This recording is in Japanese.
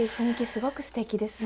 すごくすてきですね。